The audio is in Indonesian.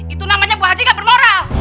itu namanya buah haji gak bermoral